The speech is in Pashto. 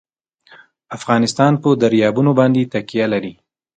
افغانستان په دریابونه باندې تکیه لري.